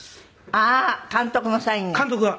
ああー監督のサインが。